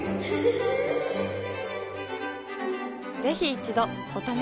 ぜひ一度お試しを。